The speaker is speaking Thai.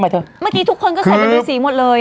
เมื่อกี้ทุกคนก็ใส่เป็นฤษีหมดเลย